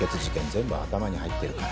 全部頭に入ってるから。